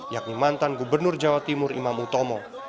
yakni mantan gubernur jawa timur imam utomo